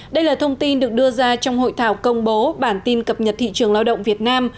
đây là thông tin được đưa ra trong hội thảo công bố bản tin cập nhật thị trường lao động việt nam